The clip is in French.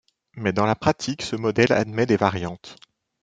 Mais dans la pratique ce modèle admet des variantes.